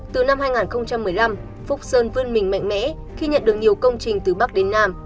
từ năm hai nghìn một mươi năm phúc sơn vươn mình mạnh mẽ khi nhận được nhiều công trình từ bắc đến nam